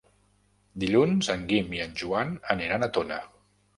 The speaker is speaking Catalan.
Dilluns en Guim i en Joan aniran a Tona.